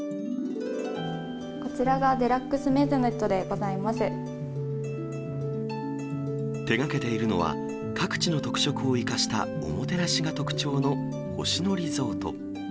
こちらがデラックスメゾネッ手がけているのは、各地の特色を生かしたおもてなしが特徴の星野リゾート。